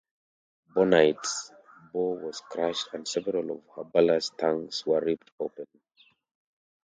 "Bonite"s bow was crushed and several of her ballast tanks were ripped open.